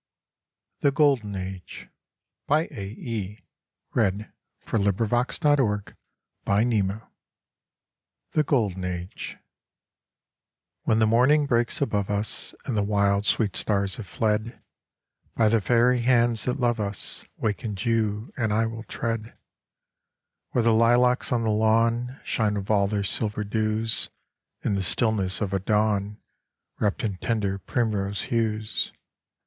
ght his spirit rilled, And Brahm looked from his shining eyes. 46 (Sxrltrm WHEN the morning breaks above us And the wild sweet stars have fled, By the faery hands that love us Wakened you and I will tread, Where the lilacs on the lawn Shine with all their silver dews, In the stillness of a dawn Wrapped in tender primrose hues.